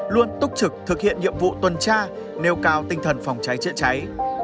luôn túc trực thực hiện nhiệm vụ tuần tra nêu cao tinh thần phòng cháy chữa cháy